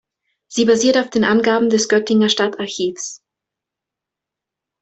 Sie basiert auf den Angaben des Göttinger Stadtarchivs.